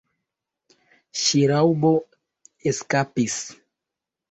Ŝraŭbo eskapis.